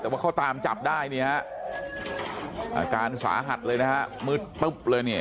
แต่ว่าเขาตามจับได้เนี่ยฮะอาการสาหัสเลยนะฮะมืดตึ๊บเลยเนี่ย